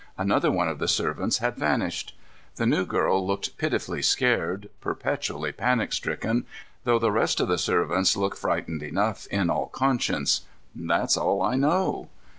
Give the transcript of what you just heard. Another one of the servants had vanished. The new girl looked pitifully scared, perpetually panic stricken, though the rest of the servants look frightened enough, in all conscience. That's all I know."